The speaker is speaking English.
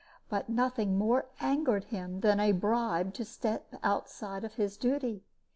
But nothing more angered him than a bribe to step outside of his duty.